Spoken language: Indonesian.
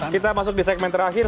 kita masuk di segmen terakhir